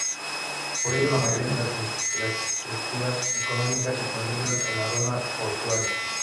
Por ello la mayoría de las infraestructuras económicas se concentran en la zona portuaria.